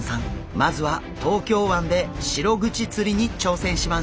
まずは東京湾でシログチ釣りに挑戦します！